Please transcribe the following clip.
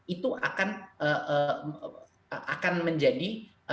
itu akan menjadi